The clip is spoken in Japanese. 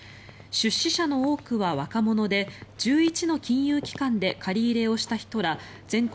出資者の多くは若者で１１の金融機関で借り入れをした人ら全国